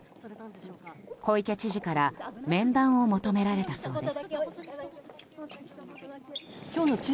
小池知事から面談を求められたそうです。